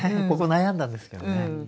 ここ悩んだんですけどね。